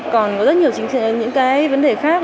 còn có rất nhiều vấn đề khác